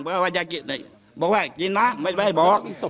บอกว่ากินนะไม่ไปบอก